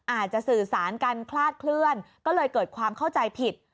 อาจจะสื่อสารกันคลาดเคลื่อนก็เลยเกิดความเข้าใจผิด